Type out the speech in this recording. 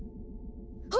あ！